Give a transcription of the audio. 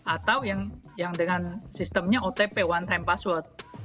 atau yang dengan sistemnya otp one time password